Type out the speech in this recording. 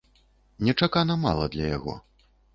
Нечакана мала для яго.